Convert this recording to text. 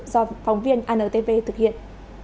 do phóng viên antv thực hiện